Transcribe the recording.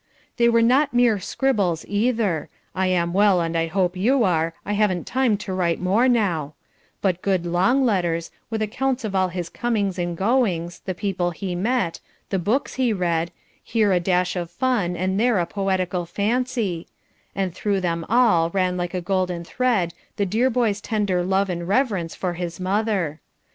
They were not mere scribbles either "I am well, and I hope you are; I haven't time to write more now" but good long letters, with accounts of all his comings and goings, the people he met, the books he read, here a dash of fun and there a poetical fancy; and through them all ran like a golden thread the dear boy's tender love and reverence for his mother.